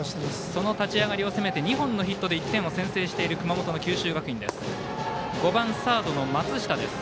その立ち上がりを攻めて２本のヒットで１点を先制している熊本の九州学院です。